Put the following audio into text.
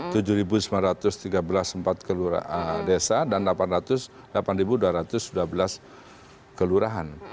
tujuh sembilan ratus tiga belas empat desa dan delapan dua ratus dua belas kelurahan